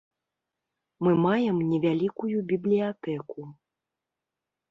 Мы маем невялікую бібліятэку.